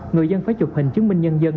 người dân phải chụp hình chứng minh nhân dân